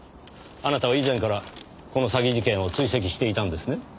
あなたは以前からこの詐欺事件を追跡していたんですね？